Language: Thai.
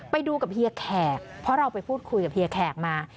ไปดูกับเฮียแขกเพราะเราไปพูดคุยกับเฮียแขกมา